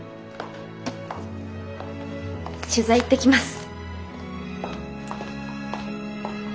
取材行ってきます！